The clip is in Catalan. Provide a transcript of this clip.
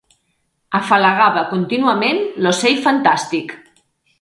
Afalagava contínuament l'ocell fantàstic